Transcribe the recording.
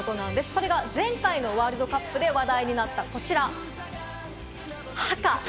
それが前回のワールドカップでも話題になった、こちらハカ。